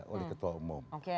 oleh ketua umum